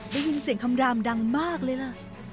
ได้ยินเสียงคำรามดังมากเลยล่ะ